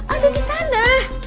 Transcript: ada di sana